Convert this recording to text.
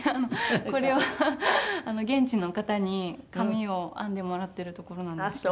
これは現地の方に髪を編んでもらっているところなんですけど。